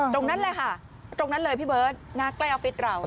ตรงนั้นเลยค่ะตรงนั้นเลยพี่เบิร์ตหน้าใกล้ออฟฟิศเรา